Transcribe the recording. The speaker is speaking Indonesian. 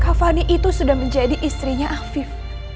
kak fani itu sudah menjadi istrinya afif